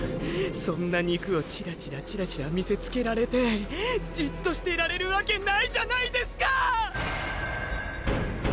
そんな筋肉をチラチラチラチラ見せつけられてじっとしてられるわけないじゃないですか！！